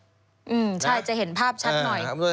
ใช่จะเห็นภาพชัดหน่อย